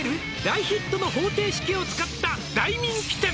「大ヒットの方程式を使った大人気店」